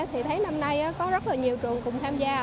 thì thấy năm nay có rất là nhiều trường cùng tham gia